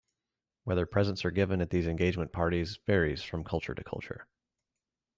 Whether presents are given at these engagement parties varies from culture to culture.